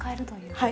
はい。